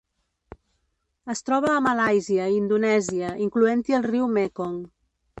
Es troba a Malàisia i Indonèsia, incloent-hi el riu Mekong.